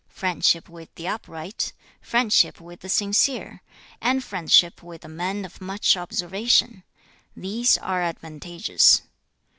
Friendship with the upright; friendship with the sincere; and friendship with the man of much observation: these are advantageous.